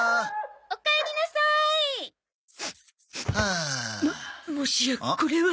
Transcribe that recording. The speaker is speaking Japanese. おかえりなさい！ももしやこれは。